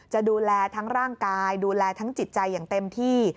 จะดูแลทั้งร่างกายดูแลทั้งจิตใจอย่างเต็มที่